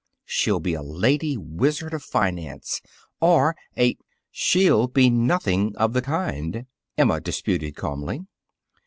She'll be a lady wizard of finance or a " "She'll be nothing of the kind," Emma disputed calmly.